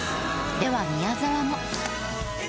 では宮沢も。